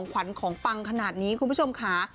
คุณไปหา